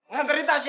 nganterin tas ya